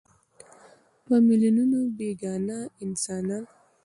په میلیونونو بېګناه انسانان.